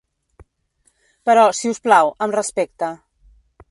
Però, si us plau, amb respecte.